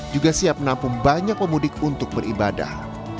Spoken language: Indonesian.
juga siap menampung banyak pemudik untuk beribadah